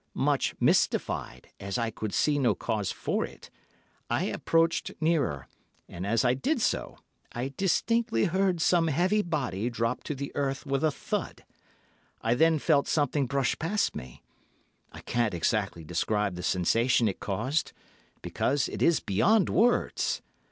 Much mystified, as I could see no cause for it, I approached nearer, and as I did so I distinctly heard some heavy body drop to the earth with a thud; I then felt something brush past me. I can't exactly describe the sensation it caused, because it is beyond words.